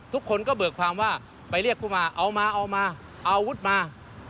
ทุกคนก็เบิกความว่าไปเรียกผู้มาเอามาเอาอาวุธมา